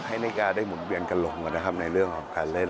ให้นิกาได้หมุนเวียนกันลงนะครับในเรื่องของการเล่น